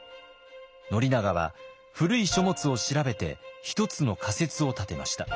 宣長は古い書物を調べて１つの仮説を立てました。